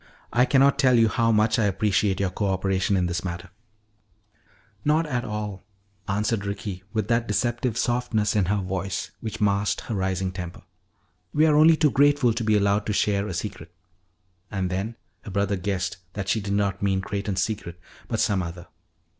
"I cannot tell you how much I appreciate your coöperation in this matter " "Not at all," answered Ricky with that deceptive softness in her voice which masked her rising temper. "We are only too grateful to be allowed to share a secret." And then her brother guessed that she did not mean Creighton's secret but some other.